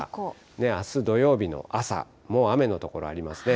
あす土曜日の朝、もう雨の所ありますね。